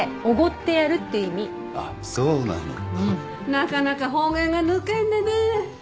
なかなか方言が抜けんでね。